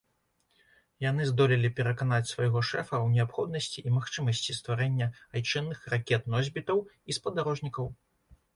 Яны здолелі пераканаць свайго шэфа ў неабходнасці і магчымасці стварэння айчынных ракет-носьбітаў і спадарожнікаў.